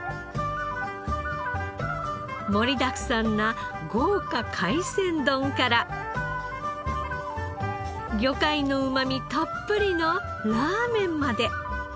盛りだくさんな豪華海鮮丼から魚介のうまみたっぷりのラーメンまで。